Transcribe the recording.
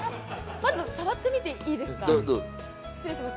まず触ってみていいですか？